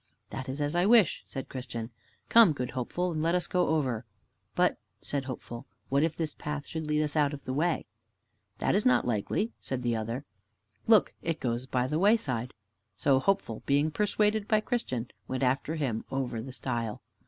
"That is as I wish," said Christian. "Come, good Hopeful, and let us go over. "But," said Hopeful, "what if this path should lead us out of the way?" "That is not likely," said the other. "Look, it goes along by the wayside." So Hopeful, being persuaded by Christian, went after him over the stile.